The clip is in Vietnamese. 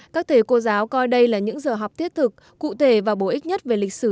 các thầy cô giáo coi đây là những giờ học thiết thực cụ thể và bổ ích nhất về lịch sử